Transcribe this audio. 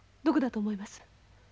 どこだと思います？